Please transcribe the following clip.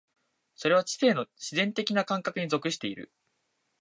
それは知性の自然的な感覚に属している。